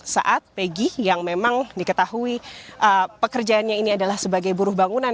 saat pegi yang memang diketahui pekerjaannya ini adalah sebagai buruh bangunan